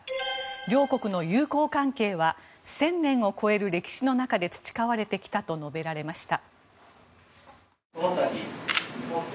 両国の友好関係は１０００年を超える歴史の中で培われてきたと述べられました。